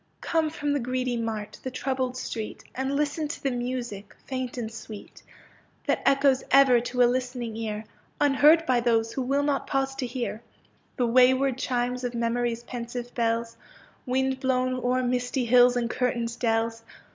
Come from the greedy mart, the troubled street, And listen to the music, faint and sweet, That echoes ever to a listening ear, Unheard by those who will not pause to hear — The wayward chimes of memory's pensive bells, Wind blown o'er misty hills and curtained dells.